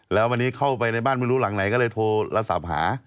แล้ววันนี้เข้าไปในบ้านไม่รู้หลังไหนก็เลยโทรศัพท์หา